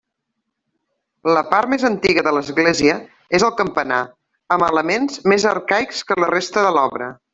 La part més antiga de l'església és el campanar, amb elements més arcaics que la resta de l'obra.